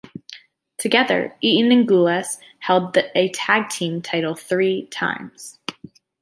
Together, Eaton and Gulas held the tag team title three times.